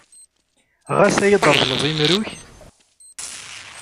Ɣas ad yi-d-tṛeḍleḍ imru-k?